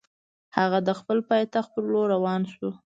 هغه د خپل پایتخت پر لور روان شو.